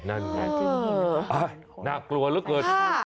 น่ากลัวละกัน